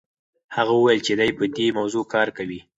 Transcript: هغه وویل چې دی په دې موضوع کار کوي.